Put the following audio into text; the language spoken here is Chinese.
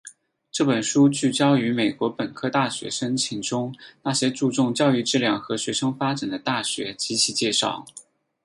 这本书聚焦于美国本科大学申请中那些注重教育质量和学生发展的大学及其介绍。